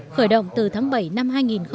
khởi động từ tháng bảy năm hai nghìn một mươi sáu